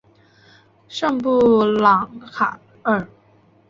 圣布朗卡尔。